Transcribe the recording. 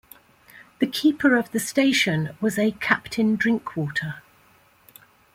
The keeper of the station was a Captain Drinkwater.